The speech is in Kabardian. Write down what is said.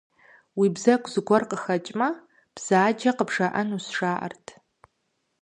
Уи бзэгу зыгуэр къыхэкӏмэ, бзаджэ къыбжаӏэнущ, жаӏэрт.